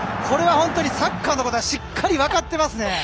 これは本当にサッカーのことがしっかり分かっていますね。